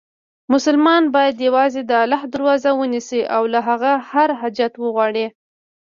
مسلمان باید یووازې د الله دروازه ونیسي، او له هغه هر حاجت وغواړي.